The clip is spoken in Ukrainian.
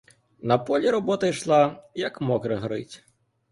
На полі робота йшла, як мокре горить.